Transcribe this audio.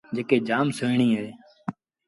جيڪيٚ جآم سُوهيٚڻي اهي۔